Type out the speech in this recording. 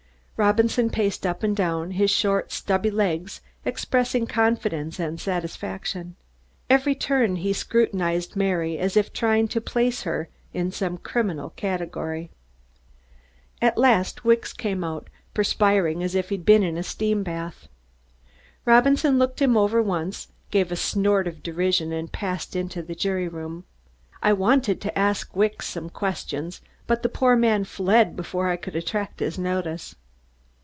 Robinson paced up and down, his short stubby legs expressing confidence and satisfaction. Every turn, he scrutinized Mary, as if trying to place her in some criminal category. At last Wicks came out, perspiring as if he'd been in a steam bath. Robinson looked him over once, gave a snort of derision and passed into the jury room. I wanted to ask Wicks some questions, but the poor man fled before I could attract his notice.